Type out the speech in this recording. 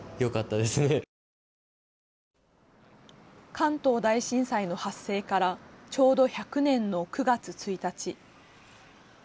関東大震災の発生からちょうど１００年の９月１日。